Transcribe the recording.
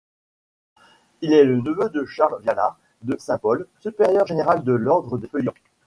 Il est le neveu de Charles Vialart de Saint-Paul, supérieur-général de l'Ordre des Feuillants.